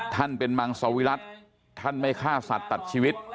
ท่านเป็นมังสวิรัติท่านไม่ฆ่าสัตว์ตัดชีวิต